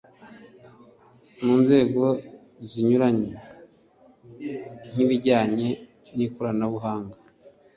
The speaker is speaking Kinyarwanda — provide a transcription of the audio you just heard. mu nzego zinyuranye nk'ibijyanye n'ikoranabuhanga,